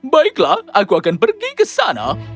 baiklah aku akan pergi ke sana